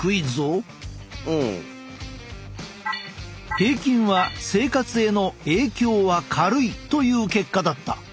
平均は生活への影響は軽いという結果だった。